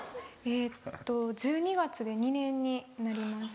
えっと１２月で２年になります。